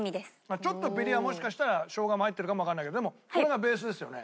ちょっとピリッはもしかしたらショウガも入ってるかもわかんないけどでもこれがベースですよね？